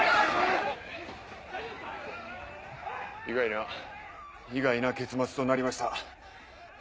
意外な意外な結末となりました。